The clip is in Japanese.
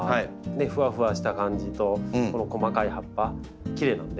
ふわふわした感じとこの細かい葉っぱきれいなので。